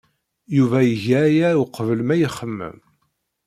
Yuba iga aya uqbel ma ixemmem.